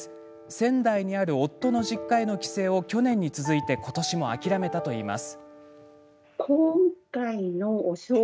仙台にある夫の実家への帰省を去年に続いてことしも諦めたといいます。